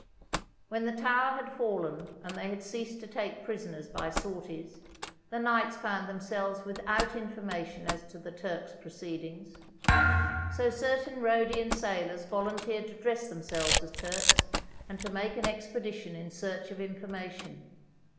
When the tower had fallen and they had ceased to take prisoners by sorties, the knights found themselves without information as to the Turks' proceedings; so certain Rhodian sailors volunteered to dress themselves as Turks and to make an expe dition in search of information.